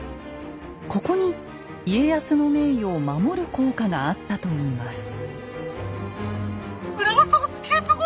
ここに家康の名誉を守る効果があったといいます。